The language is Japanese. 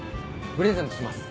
プレゼントします。